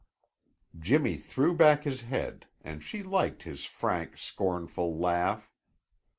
Jimmy threw back his head and she liked his frank, scornful laugh.